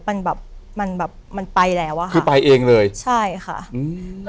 มันแบบมันแบบมันไปแล้วอ่ะค่ะคือไปเองเลยใช่ค่ะอืม